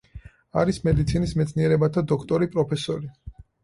არის მედიცინის მეცნიერებათა დოქტორი, პროფესორი.